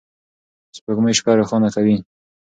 سپوږمۍ شپه روښانه کوي.